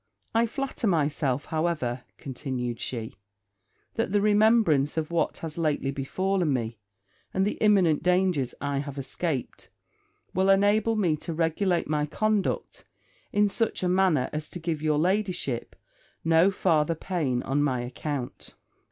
I flatter myself, however,' continued she, 'that the remembrance of what has lately befallen me, and the imminent dangers I have escaped, will enable me to regulate my conduct in such a manner as to give your ladyship no farther pain on my account.'